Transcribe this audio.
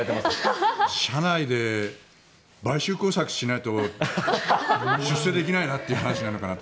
社内で買収工作しないと出世できない話なのかなと。